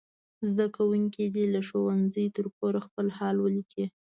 زده کوونکي دې له ښوونځي تر کوره خپل حال ولیکي.